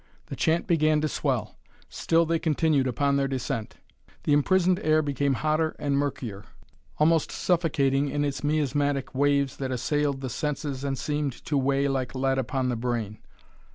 The chant began to swell. Still they continued upon their descent. The imprisoned air became hotter and murkier, almost suffocating in its miasmatic waves that assailed the senses and seemed to weigh like lead upon the brain.